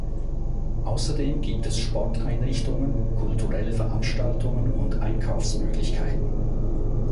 Außerdem gibt es Sporteinrichtungen, kulturelle Veranstaltungen und Einkaufsmöglichkeiten.